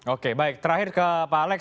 oke baik terakhir ke pak alex